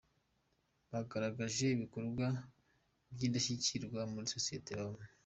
Bagaragaje ibikorwa by'indashyikirwa muri sosiyete babamo